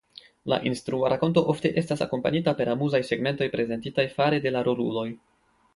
La instrua rakonto ofte estas akompanita per amuzaj segmentoj prezentitaj fare de la roluloj.